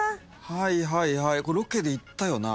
はいはいロケで行ったよな。